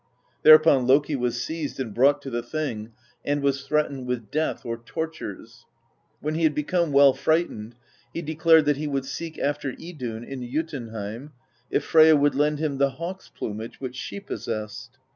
There upon Loki was seized and brought to the Thing, and was threatened with death, or tortures; when he had become well frightened, he declared that he would seek after Idunn in Jotunheim, if Freyja would lend him the hawk's plum age which she possessed.